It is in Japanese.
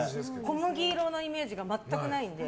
小麦色のイメージが全くないので。